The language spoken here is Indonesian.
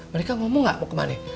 mereka ngomong gak mau ke mana